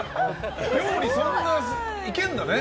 料理そんないけるんだね。